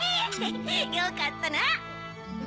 よかったな！